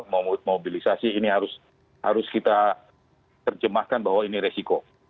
mobilisasi ini harus kita terjemahkan bahwa ini resiko